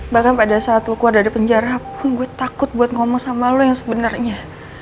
bahkan pada saat lo kuah dari penjara pun gue takut buat ngomong sama lo yang sebenarnya